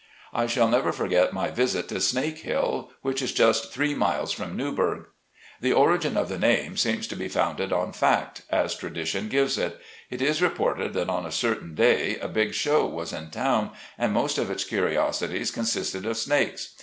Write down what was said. I shall never forget my visit to Snake Hill, which is just three miles from Newburgh. The origin of the name seems to be founded on fact, as tradition gives it. It is reported that on a certain day a big show was in town, and most of its curiosities con sisted of snakes.